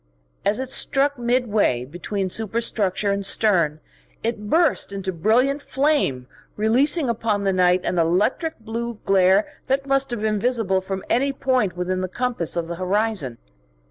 As it struck midway between superstructure and stern it burst into brilliant flame, releasing upon the night an electric blue glare that must have been visible from any point within the compass of the horizon.